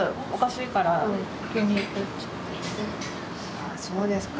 ああそうですか。